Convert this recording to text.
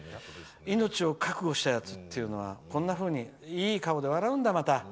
命を覚悟したやつというのはこんなふうにいい顔で笑うんだ、また。